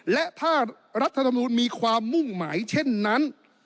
และถ้ารัฐธรรมนูลมีความมุ่งหมายเช่นนั้น